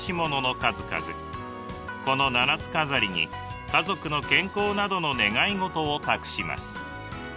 この七つ飾りに家族の健康などの願い事を託します。